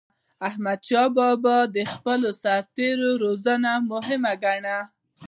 احمدشاه بابا د خپلو سرتېرو روزنه مهمه ګڼله.